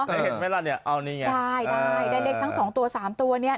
แล้วเห็นไหมล่ะเนี่ยเอานี่ไงใช่ได้ได้เลขทั้งสองตัวสามตัวเนี่ย